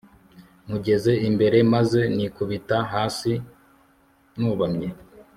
mugeze imbere maze nikubita hasi nubamye